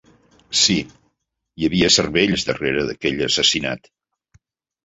Sí, hi havia cervells darrere d'aquell assassinat.